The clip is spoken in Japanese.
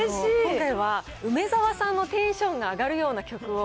今回は梅沢さんのテンションが上がるような曲を。